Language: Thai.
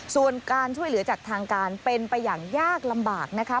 ส่วนการช่วยเหลือจากทางการเป็นไปอย่างยากลำบากนะคะ